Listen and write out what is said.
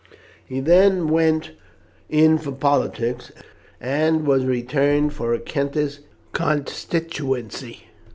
He then went in for politics, and was returned for a Kentish constituency.